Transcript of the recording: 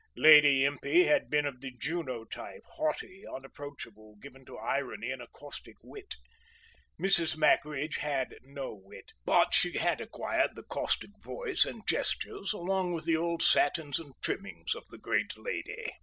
Lady Impey had been of the Juno type, haughty, unapproachable, given to irony and a caustic wit. Mrs. Mackridge had no wit, but she had acquired the caustic voice and gestures along with the old satins and trimmings of the great lady.